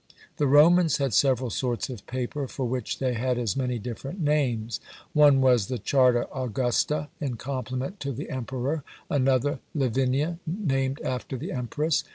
The Romans had several sorts of paper, for which they had as many different names; one was the Charta Augusta, in compliment to the emperor; another Livinia, named after the empress.